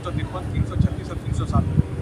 خدا زده چا کاروان سالار دی تېر ایستلی `